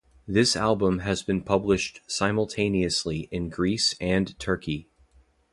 This album has been published simultaneously in Greece and Turkey.